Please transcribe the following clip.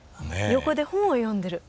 横で本を読んでる。